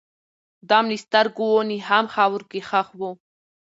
دام له سترګو وو نیهام خاورو کي ښخ وو